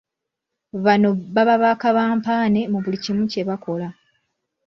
Banno baba ba "Kabampaane" mu buli kimu kye bakola.